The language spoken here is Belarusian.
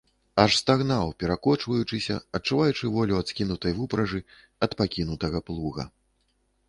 Аж стагнаў, перакочваючыся, адчуваючы волю ад скінутай вупражы, ад пакінутага плуга.